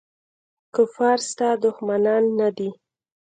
کفار ستا دښمنان نه دي.